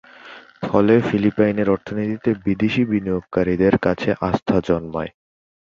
ফলে, ফিলিপাইনের অর্থনীতিতে বিদেশী বিনিয়োগকারীদের কাছে আস্থা জন্মায়।